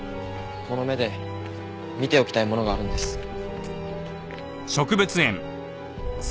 この目で見ておきたいものがあるんです。